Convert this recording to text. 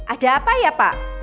ada apa ya pak